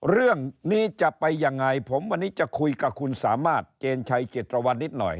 เรื่องนี้จะไปยังไงผมวันนี้จะคุยกับคุณสามารถเจนชัยจิตรวรรณนิดหน่อย